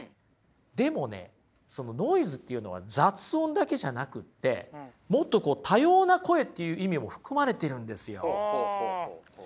でもねそのノイズっていうのは雑音だけじゃなくってもっとこう多様な声っていう意味も含まれてるんですよ。